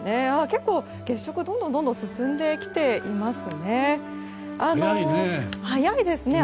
結構、月食はどんどん進んできていますね。